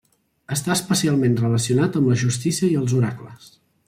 Està especialment relacionat amb la justícia i els oracles.